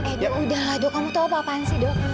edo udahlah dok kamu tahu apa apaan sih dok